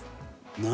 「何？